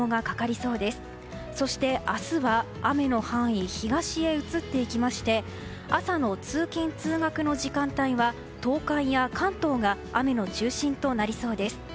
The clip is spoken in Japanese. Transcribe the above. そして、明日は雨の範囲が東へ移っていきまして朝の通勤・通学の時間帯は東海や関東が雨の中心となりそうです。